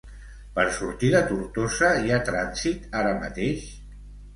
Per sortir de Tortosa, hi ha trànsit ara mateix?